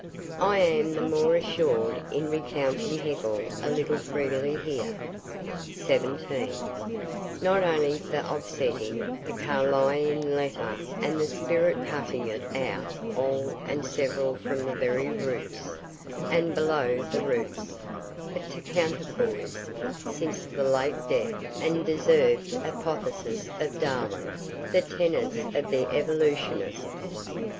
I am the more assured in recounting Hegel a little freely here, not only for offsetting the Carlylean letter and spirit cutting it out all and several from the very roots, and below the roots but to counterpoise, since the late death and deserv'd apotheosis of Darwin, the tenets of the evolutionists.